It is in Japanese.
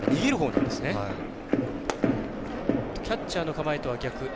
キャッチャーのミットとは逆。